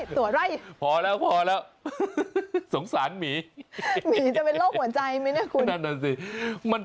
ทำไมไม่เหมือนเรา